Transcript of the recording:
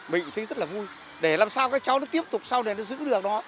mình cũng thấy rất là vui để làm sao các cháu tiếp tục sau này giữ được nó